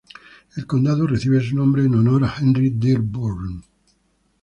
El condado recibe su nombre en honor a Henry Dearborn.